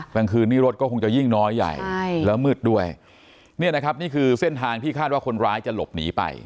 กลางคืนนี้รถก็คงจะยิ่งน้อยใหญ่แล้วมืดด้วยเนี่ยนะครับนี่คือเส้นทางที่คาดว่าคนร้ายจะหลบหนีไป